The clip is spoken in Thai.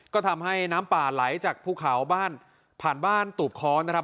ก็ทำให้น้ำป่าไหลจากภูเขาบ้านผ่านบ้านตูบค้อนะครับ